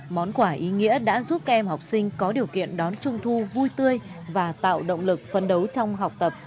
món quà ý nghĩa đã giúp các em học sinh có điều kiện đón trung thu vui tươi và tạo động lực phân đấu trong học tập